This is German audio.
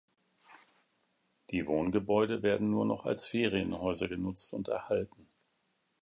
Die Wohngebäude werden nur noch als Ferienhäuser genutzt und erhalten.